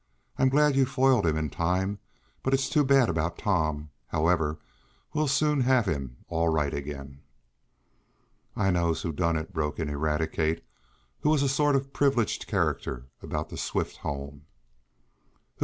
I'm glad you foiled him in time; but it's too bad about Tom. However, we'll soon have him all right again." "I knows who done it!" broke in Eradicate, who was a sort of privileged character about the Swift home. "Who?"